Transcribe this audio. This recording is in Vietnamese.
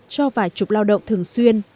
cho vài chục lao động thường xuyên